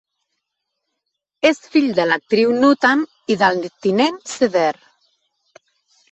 És fill de l'actriu Nutan i del tinent Cdr.